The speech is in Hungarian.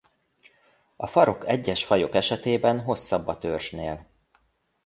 A farok egyes fajok esetében hosszabb a törzsnél.